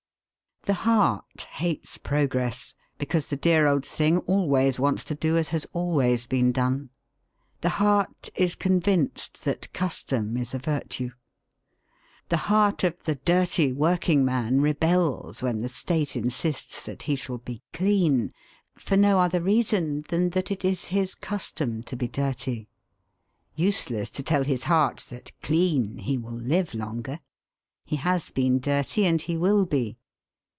The heart hates progress, because the dear old thing always wants to do as has always been done. The heart is convinced that custom is a virtue. The heart of the dirty working man rebels when the State insists that he shall be clean, for no other reason than that it is his custom to be dirty. Useless to tell his heart that, clean, he will live longer! He has been dirty and he will be.